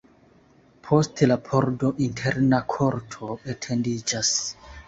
Post la pordo interna korto etendiĝas.